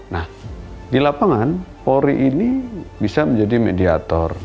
nah di lapangan polri ini bisa menjadi mediator